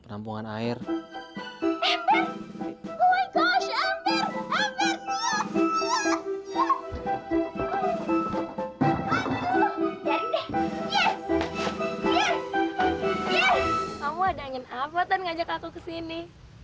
kamu ada ingin apa tan ngajak aku kesini